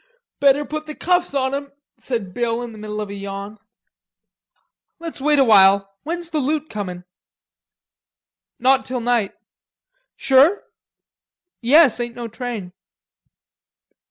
"Better put the cuffs on him," said Bill in the middle of a yawn. "Let's wait a while. When's the loot coming?" "Not till night." "Sure?" "Yes. Ain't no train."